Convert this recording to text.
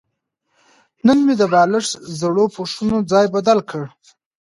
نن مې د بالښت زړو پوښونو ځای بدل کړ.